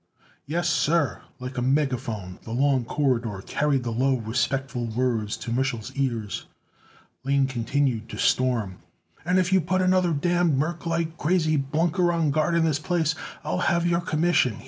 "Yes, sir." Like a megaphone the long corridor carried the low, respectful words to Mich'l's ears. Lane continued to storm: "And if you put another damned merclite crazy blunker on guard in this place I'll have your commission.